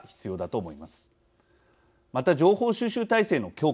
また情報収集体制の強化